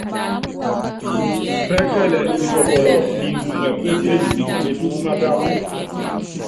Pɛ́kɛlɛ pipɔpɔlɔ nimbuŋɛ pésiélipikene metúkú mátátu.